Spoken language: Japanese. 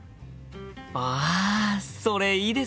あそれいいですよね！